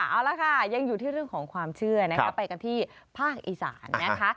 เอาละค่ะยังอยู่ที่เรื่องของความเชื่อนะคะไปกันที่ภาคอีสานนะคะ